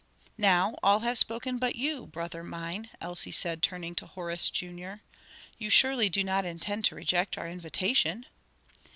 "Now all have spoken but you, brother mine," Elsie said, turning to Horace Jr. "You surely do not intend to reject our invitation?"